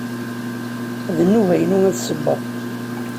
D nnuba-inu ad ssewweɣ.